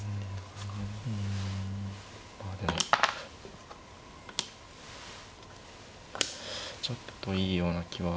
まあでもちょっといいような気は。